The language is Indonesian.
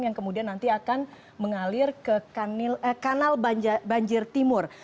yang kemudian nanti akan mengalir ke kanal banjir timur